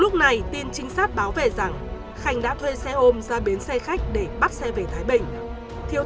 lúc này tin trinh sát báo về rằng khanh đã thuê xe ôm ra bến xe khách để bắt xe về thái bình thiếu